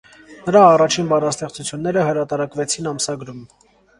Նրա առաջին բանաստեղծությունները հրատարակվեցին ամսագրում։